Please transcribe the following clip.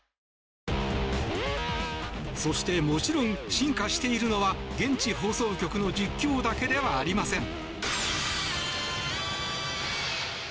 そして、もちろん進化しているのは現地放送局の実況だけではありません。